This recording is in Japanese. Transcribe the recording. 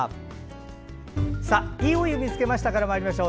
「＃いいお湯見つけました」からまいりましょう。